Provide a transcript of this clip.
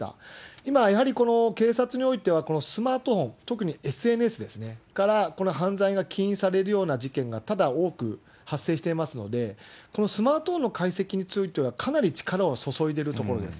今、やはりこの警察においては、このスマートフォン、特にＳＮＳから犯罪が起因されるような事件が多々、多く発生していますので、このスマートフォンの解析については、かなり力を注いでいるところです。